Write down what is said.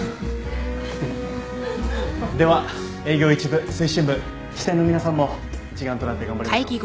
では営業一部推進部支店の皆さんも一丸となって頑張りましょう。